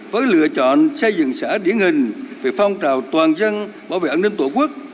với lựa chọn xây dựng xã điển hình về phong trào toàn dân bảo vệ an ninh tổ quốc